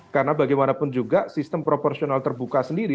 karena bagaimanapun juga sistem proporsional terbuka sendiri